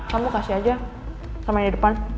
kamu kasih aja sama yang di depan